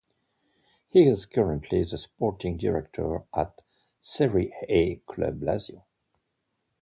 He is currently the sporting director at Serie A club Lazio.